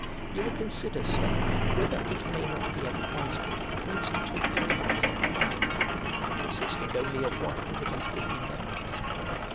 You will consider, Sir, whether it may not be advisable to institute a company of fire men, consisting only of one hundred and fifty members.